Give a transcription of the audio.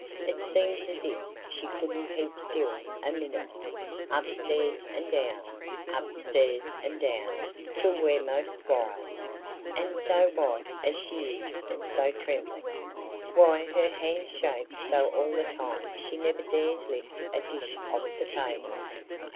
It seems as if she could'nt keep still a minute. Upstairs and down, upstairs and down, till we're most wild. And so white as she is and so trembling! Why her hands shake so all the time she never dares lift a dish off the table.